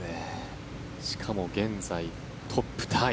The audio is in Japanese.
しかも現在トップタイ。